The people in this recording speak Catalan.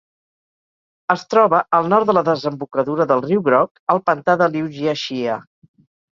Es troba al nord de la desembocadura del riu Groc al pantà de Liujiaxia.